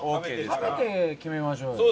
食べて決めましょうよ。